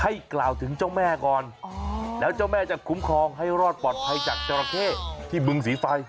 กล่าวถึงเจ้าแม่ก่อนแล้วเจ้าแม่จะคุ้มครองให้รอดปลอดภัยจากจราเข้ที่บึงสีไฟ